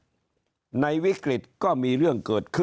ข้อความถัดมาก็คือได้เวลาคิดเริ่มสร้างอาชีพที่บ้านเกิดไว้ได้แล้ว